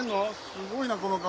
すごいなこの川。